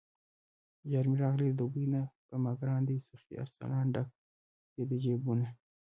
یارمې راغلی د دوبۍ نه په ماګران دی سخي ارسلان، ډک یې د جېبونه